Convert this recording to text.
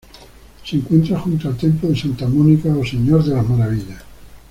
Se encuentra junto al templo de Santa Mónica o Señor de las Maravillas.